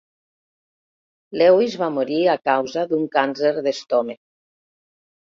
Lewis va morir a causa d'un càncer d'estómac.